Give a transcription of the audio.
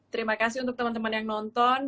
terima kasih untuk teman teman yang nonton